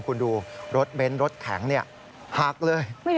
คุณดูรถเบนท์รถแข็งหักเลย